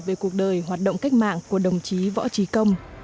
về cuộc đời hoạt động cách mạng của đồng chí võ trí công